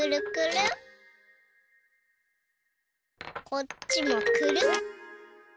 こっちもくるん。